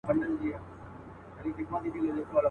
پلی درومي او په مخ کي یې ګوډ خر دی.